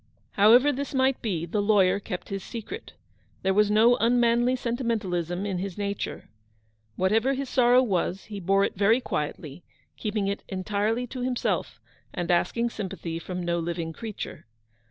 However this might be, the lawyer kept his secret. There was no unmanly sentimentalism in his nature. Whatever his sorrow was, he bore it very quietly, keeping it entirely to himself, and asking sympathy from no living creature.